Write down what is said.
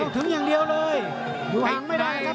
ต้องถึงอย่างเดียวเลยหวังไม่ได้นะครับ